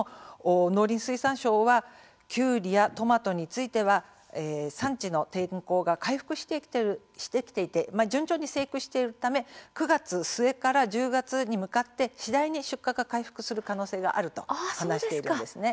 農林水産省はきゅうりやトマトについては産地の天候が回復してきていて順調に生育しているため９月末から１０月に向かって次第に出荷が回復する可能性があると話しています。